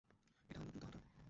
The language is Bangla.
এটা হলো দ্রুত হাটা।